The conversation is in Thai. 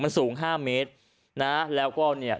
มันสูง๕เมตรแล้วก็เนี่ย